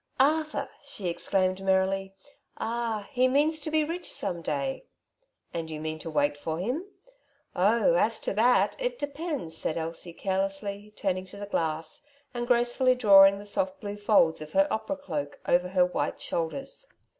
'^ Arthur !^' she exclaimed merrily. '^ Ah ! he means to be rich some day/^ ^' And you mean to wait for him ?'^ ''Oh, as to that, it depends/^ said Elsie, care lessly turning to the glass, and gracefully drawing the soft blue folds of her opera cloak over her white shoulders.